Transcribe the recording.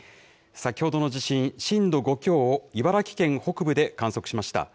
先ほどの地震、震度５強を茨城県北部で観測しました。